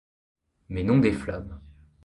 mais non des flammes.